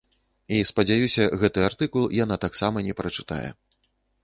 І спадзяюся, гэты артыкул яна таксама не прачытае.